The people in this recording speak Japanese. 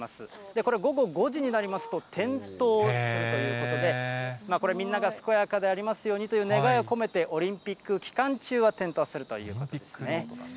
これ、午後５時になりますと点灯するということで、これ、みんなが健やかでありますようにという願いを込めて、オリンピック期間中は点灯するということですね。